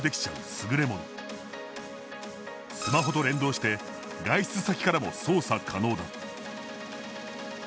スマホと連動して外出先からも操作可能だ。